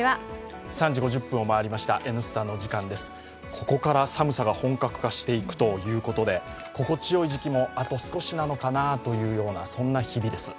ここから寒さが本格化していくということで心地よい時期もあと少しなのかなというそんな日々です。